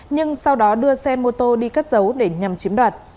nhưng sau đó đưa xe mô tô đi cất giấu để nhằm chiếm đoạt